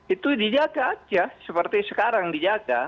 itu dijaga aja seperti sekarang dijaga